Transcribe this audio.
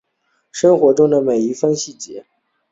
生活中的每一分细节